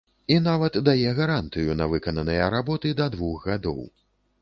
І нават дае гарантыю на выкананыя работы да двух гадоў.